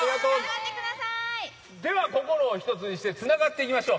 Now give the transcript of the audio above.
では心を一つにして、繋がっていきましょう。